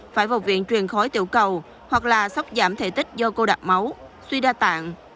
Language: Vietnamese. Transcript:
phải vào viện truyền khói tiểu cầu hoặc là sốc giảm thể tích do cô đặc máu suy đa tạng